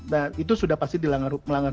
nah itu sudah pasti dilanggar